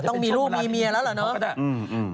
ต้องมีลูกมีเมียแล้วเหรอเนาะ